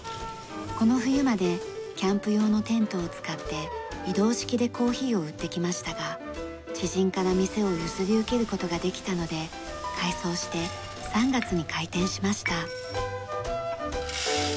この冬までキャンプ用のテントを使って移動式でコーヒーを売ってきましたが知人から店を譲り受ける事ができたので改装して３月に開店しました。